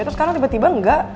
terus sekarang tiba tiba enggak